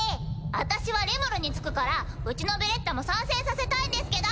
私はリムルにつくからうちのベレッタも参戦させたいんですけど！